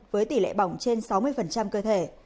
với tỷ lệ bỏng trên sáu mươi cơ thể